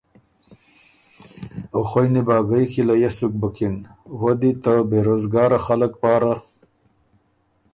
او خوئ نیباګئ کی لیۀ سُک بُکِن، وۀ دی ته بېروزګاره خلق پاره